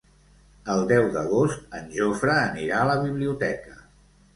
El deu d'agost en Jofre anirà a la biblioteca.